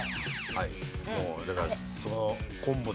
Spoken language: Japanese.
はい。